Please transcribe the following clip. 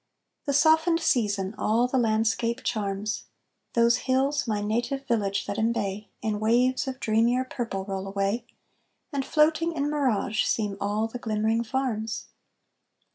The softened season all the landscape charms; Those hills, my native village that embay, In waves of dreamier purple roll away, And floating in mirage seem all the glimmering farms.